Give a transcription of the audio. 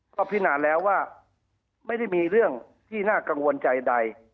ก็พินาแล้วว่าไม่ได้มีเรื่องที่น่ากังวลใจใด